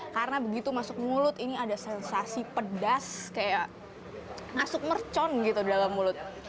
karena begitu masuk mulut ini ada sensasi pedas kayak masuk mercon gitu dalam mulut